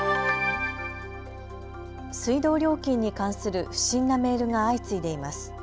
水道料金に関する不審なメールが相次いでいます。